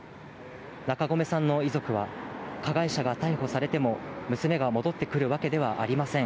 中込さんの遺族は、加害者が逮捕されても、娘が戻ってくるわけではありません。